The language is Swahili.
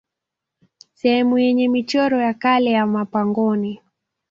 Sehemu yenye michoro ya kale ya mapangoni